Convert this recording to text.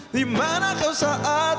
dimana kau saat